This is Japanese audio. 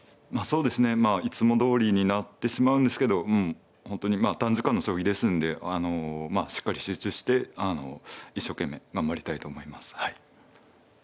そうですねいつもどおりになってしまうんですけど本当に短時間の将棋ですのでしっかり集中して一所懸命頑張りたいと思います。